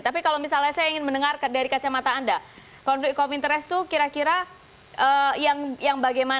tapi kalau misalnya saya ingin mendengar dari kacamata anda konflik of interest itu kira kira yang bagaimana